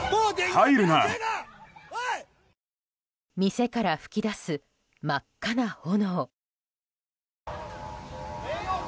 店から噴き出す真っ赤な炎。